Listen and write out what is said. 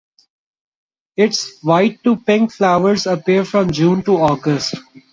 Its white to pink flowers appear from June to August.